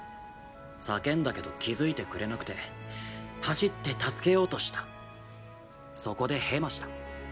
叫んだけど気付いてくれなくて走って助けようとしたそこでヘマした。